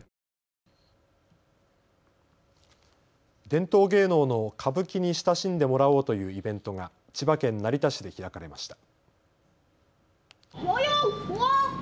伝統芸能の歌舞伎に親しんでもらおうというイベントが千葉県成田市で開かれました。